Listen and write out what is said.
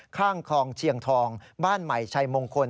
ข้างคลองเชียงทองบ้านใหม่ชัยมงคล